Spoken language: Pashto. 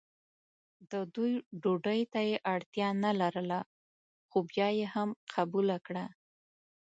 د دوی ډوډۍ ته یې اړتیا نه لرله خو بیا یې هم قبوله کړه.